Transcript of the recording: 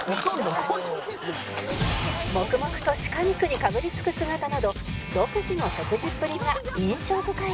黙々と鹿肉にかぶりつく姿など独自の食事っぷりが印象深いですが